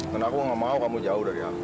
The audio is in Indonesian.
dan aku gak mau kamu jauh dari aku